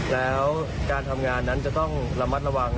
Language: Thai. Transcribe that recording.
แล้วการทำงานนั้นจะต้องระมัดระวัง